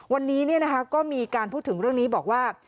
วันนี้ก็มีการพูดถึงเรื่องนี้บอกว่า